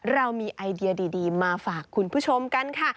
เรามีไอเดียดีมาฝากคุณผู้ชมกันค่ะ